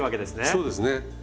そうですね。